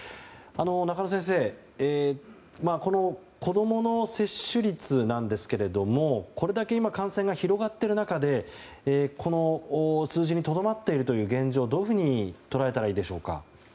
中野先生、子供の接種率ですがこれだけ今感染が広がっている中でこの数字にとどまっているという現状はどういうふうに捉えたらいいでしょうか。